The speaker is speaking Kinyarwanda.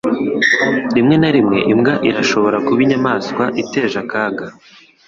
Rimwe na rimwe imbwa irashobora kuba inyamaswa iteje akaga.